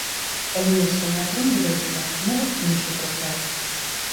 Калі нешта не атрымліваецца, могуць іншы прыслаць.